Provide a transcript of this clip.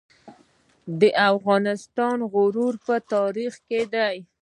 د افغانستان غرور په تاریخ کې دی